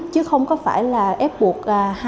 chứ không có phải là ép buộc